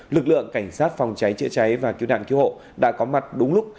lực lượng cảnh sát phòng cháy chữa cháy và cứu nạn cứu hộ đã có mặt đúng lúc